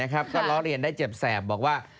ก็ล้อเรียนได้เจ็บแสบบอกว่า